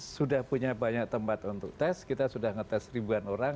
sudah punya banyak tempat untuk tes kita sudah ngetes ribuan orang